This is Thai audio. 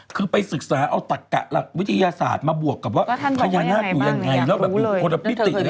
คือไปศึกษาเอาตัดเกะหลักวิทยศาสตร์มาบวกกับว่าฟญานาคอย่างไรแล้วพอร์ตอนภาษีติด้วยมั้ย